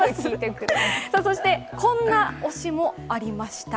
そしてこんな推しもありました。